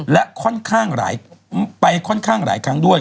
และไปค่อนข้างหลายครั้งด้วย